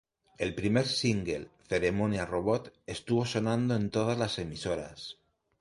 El primer single 'Ceremonia robot' estuvo sonando en todas las emisoras.